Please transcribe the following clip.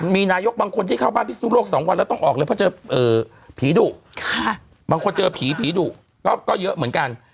มีนายกบางคนที่เข้าบ้านพิศนุโลก๒วันแล้วต้องออกเลยเพราะเจอผีดุบางคนเจอผีผีดุก็เยอะเหมือนกัน